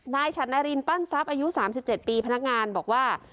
นายฉันนารินปั้นทรัพย์อายุสามสิบเจ็ดปีพนักงานบอกว่า